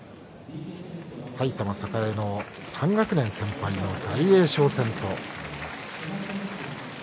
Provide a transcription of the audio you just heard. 埼玉栄の３学年先輩の大栄翔戦。